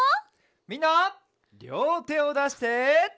みんなりょうてをだして。